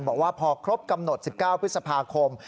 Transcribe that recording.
บอกว่าพอครบกำหนด๑๙พฤษภาคม